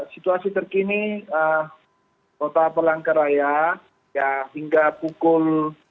situasi terkini kota palangkaraya hingga pukul tujuh belas tiga puluh